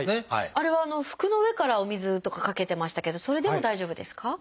あれは服の上からお水とかかけてましたけどそれでも大丈夫ですか？